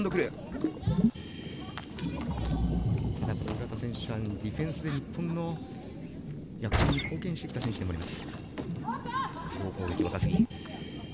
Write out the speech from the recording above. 浦田選手はディフェンスで日本の躍進に貢献してきた選手でもあります。